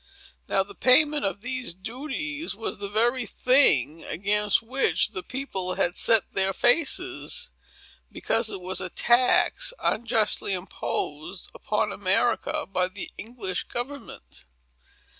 Now, the payment of these duties was the very thing, against which the people had set their faces; because it was a tax, unjustly imposed upon America by the English government.